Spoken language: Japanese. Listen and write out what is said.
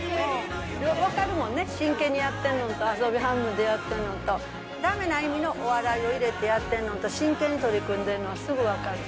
分かるもんね、真剣にやってんのんと、遊び半分でやってんのんと、だめな意味のお笑いを入れてやってるのと、真剣に取り組んでやってるの、すぐにわかる。